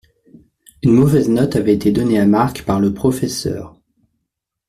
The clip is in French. Une mauvaise note avait été donnée à Mark par le professeur.